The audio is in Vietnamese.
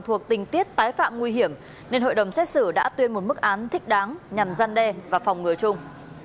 thuộc tình tiết tái phạm nguy hiểm nên hội đồng xét xử đã tuyên một mức án thích đáng nhằm gian đe và phòng ngừa chung